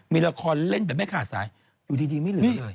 มีละครเล่นแบบไม่ขาดสายอยู่ดีไม่เหลือเลย